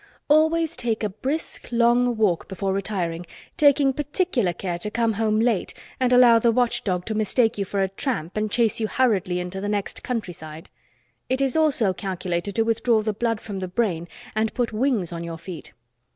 Always take a brisk, long walk before retiring, taking particular care to come home late and allow the watch dog to mistake you for a tramp and chase you hurriedly into the next country side. It is also calculated to withdraw the blood from the brain and put wings on your feet.